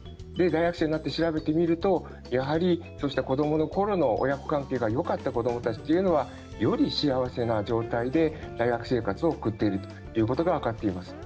大学生になって調べてみるとそうした子どものころの親子関係がよかた子どもたちはより幸せな状態で大学生活を送っているということが分かりました。